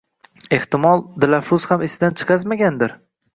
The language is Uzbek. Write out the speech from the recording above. Ehtimol, Dilafruz ham esidan chiqazmagandir